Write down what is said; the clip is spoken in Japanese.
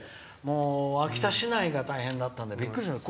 秋田市内が大変だったってびっくりしました。